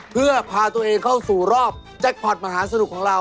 เพื่อพาตัวเองเข้าสู่รอบแจ็คพอร์ตมหาสนุกของเรา